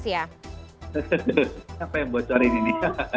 siapa yang bocorin ini